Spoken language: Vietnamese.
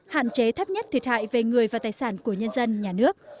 hạn chế thấp nhất thiệt hại về người và tài sản của nhân dân nhà nước